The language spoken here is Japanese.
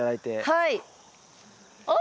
はい！